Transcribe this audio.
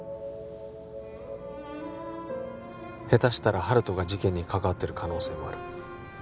ヘタしたら温人が事件に関わってる可能性もある